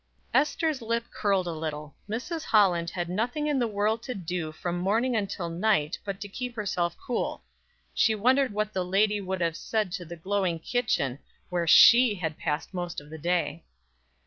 Ester's lip curled a little. Mrs. Holland had nothing in the world to do, from morning until night, but to keep herself cool. She wondered what the lady would have said to the glowing kitchen, where she had passed most of the day.